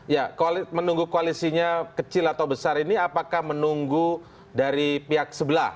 ya menunggu koalisinya kecil atau besar ini apakah menunggu dari pihak sebelah